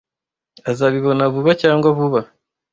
Azabibona vuba cyangwa vuba.